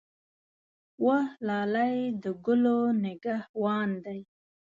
وه لالی د ګلو نګه وان دی.